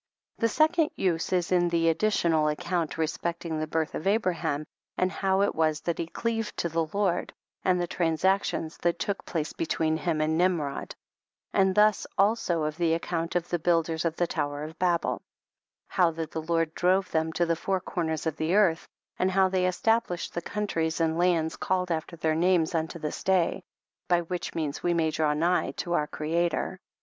The second use is in the additional account respecting the birth of Abra ham and how it was that he cleaved to the Lord, and the transactions that took place between him and Nimrod ; and thus also of the account of the builders of the tower of Babel,* how that the Lord drove them to the four corners of the earth, and how they established the countries and lands called after their names unto this day, by which means we may draw nigh to our Creator.